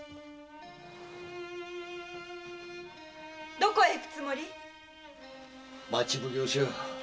どこへ行くつもり⁉町奉行所よ。